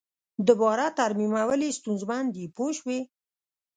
دوباره ترمیمول یې ستونزمن دي پوه شوې!.